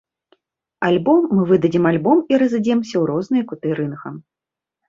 Альбо мы выдадзім альбом і разыйдземся ў розныя куты рынга.